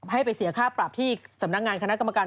ให้ไปเสียค่าปรับที่สำนักงานคณะกรรมการ